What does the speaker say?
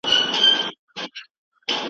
که ښوونه سمه وي، زده کوونکی نه مایوسه کېږي.